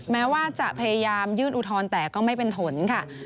แม้ว่าจะพยายามยื่นอุทธรณ์แต่ก็ไม่เป็นผลค่ะ